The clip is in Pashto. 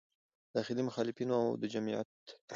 داخلي مخالفینو او د جمعیت